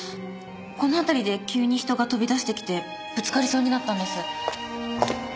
この辺りで急に人が飛び出してきてぶつかりそうになったんです。